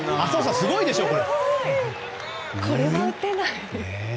すごい！これは打てない。